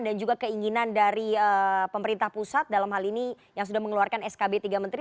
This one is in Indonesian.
dan juga keinginan dari pemerintah pusat dalam hal ini yang sudah mengeluarkan skb tiga menteri